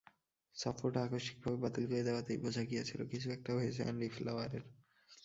সফরটা আকস্মিকভাবে বাতিল করে দেওয়াতেই বোঝা গিয়েছিল, কিছু একটা হয়েছে অ্যান্ডি ফ্লাওয়ারের।